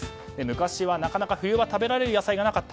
昔は、なかなか冬に食べられる野菜がなかった。